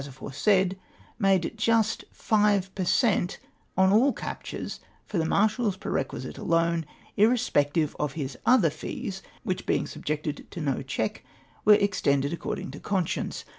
169 aforesaid, imside iiist Jive jier cent on all captures for tlic Marshal's perquisite alone, irrespective of bis other fees; wliich, being subjected to no check, were extended ac cording to conscience.